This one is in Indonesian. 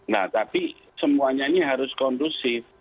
nah tapi semuanya ini harus kondusif